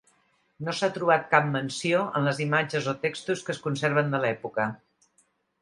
No s'ha trobat cap menció en les imatges o textos que es conserven de l'època.